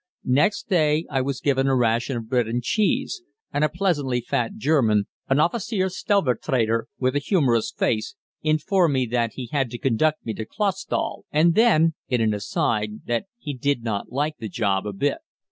Next day I was given a ration of bread and cheese, and a pleasantly fat German, an Offizier Stellvertreter, with a humorous face, informed me that he had to conduct me to Clausthal, and then (in an aside) that he did not like the job a bit.